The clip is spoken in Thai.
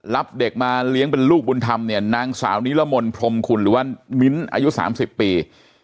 รับเด็กมาเลี้ยงเป็นลูกบุญธรรมเนี่ยนางสาวนิรมนต์พรมคุณหรือว่ามิ้นอายุ๓๐ปี